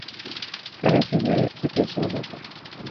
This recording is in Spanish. Carecen de secreción ósea.